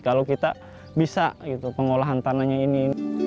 kalau kita bisa pengolahan tanahnya ini